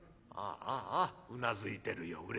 あああうなずいてるよ